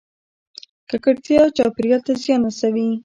ککړتیا چاپیریال ته زیان رسوي